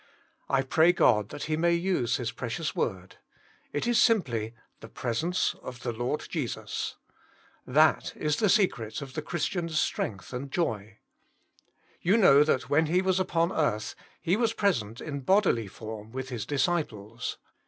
I pray God that He may use His pre cious Word. It is simply 40 Jemitji HiTmelf, tTbe pteaence of tbe Xotd 5e0tt0» That is the secret of the Christian's strength and joy. You know that when He was upon earth, He was present in bodily form with his disci ples.